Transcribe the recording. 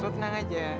lo tenang aja